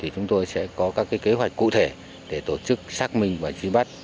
chúng tôi sẽ có các kế hoạch cụ thể để tổ chức xác minh và truy bắt